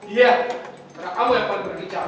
iya karena kamu yang paling berbicara